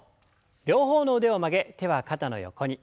両方の腕を曲げ手は肩の横に。